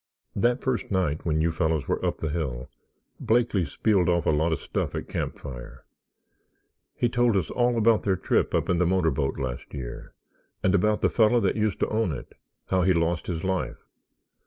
That first night when you fellows were up the hill Blakeley spieled off a lot of stuff at campfire. He told us all about their trip up in the motor boat last year and about the fellow that used to own it—how he lost his life.